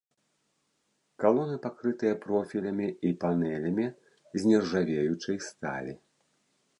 Калоны пакрытыя профілямі і панэлямі з нержавеючай сталі.